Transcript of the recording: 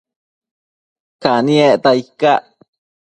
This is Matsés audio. Caniecta icac?